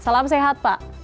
salam sehat pak